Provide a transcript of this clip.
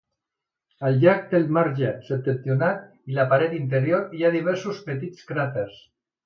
Al llarg del marge septentrional i la paret interior hi ha diversos petits cràters.